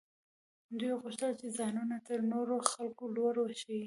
دوی غوښتل چې ځانونه تر نورو خلکو لوړ وښيي.